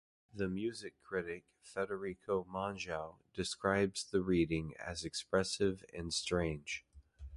The music critic Federico Monjeau described the reading as expressive and strange.